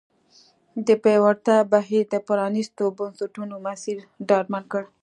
د پیاوړتیا بهیر د پرانیستو بنسټونو مسیر ډاډمن کړ.